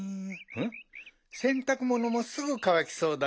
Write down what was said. うんせんたくものもすぐかわきそうだね。